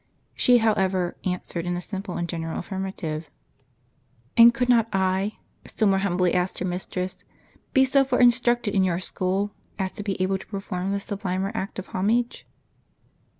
She, however, answered in a simple and general affirmative. " And could not I," still more humbly asked her mistress, "be so far instructed in your school as to be able to perform this sublimer act of homage?